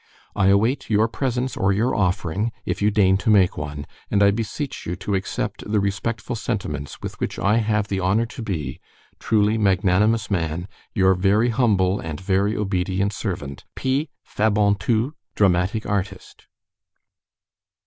I await your presence or your offering, if you deign to make one, and I beseech you to accept the respectful sentiments with which I have the honor to be, truly magnanimous man, your very humble and very obedient servant, P. FABANTOU, dramatic artist.